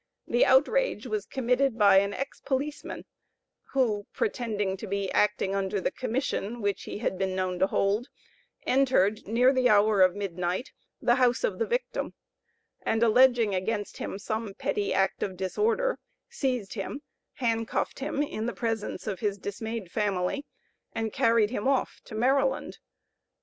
The outrage was committed by an ex policeman, who, pretending to be acting under the commission which he had been known to hold, entered, near the hour of midnight, the house of the victim, and alleging against him some petty act of disorder, seized him, handcuffed him in the presence of his dismayed family, and carried him off to Maryland.